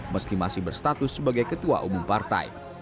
meski masih berstatus sebagai ketua umum partai